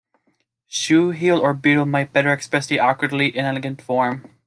Shoe heel or beetle might better express the awkwardly inelegant form.